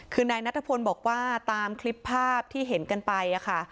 คือนายนัทพลบอกว่าตามคลิปภาพที่เห็นกันไปค่ะ